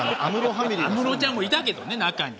安室ちゃんもいたけどね中に。